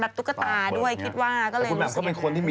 อ๋อพี่มานองผอนชัยสิ